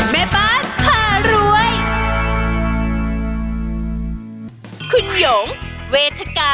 แม่บ้านผ่ารวย